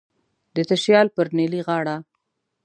د تشیال پر نیلی غاړه